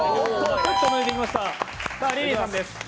リリーさんです。